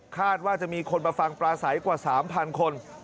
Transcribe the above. คาดว่าจะมีคนมาฟังปลาสายกว่าสามพันคน